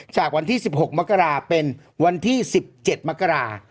จากวันที่๑๖มกราเป็นวันที่๑๗มกรา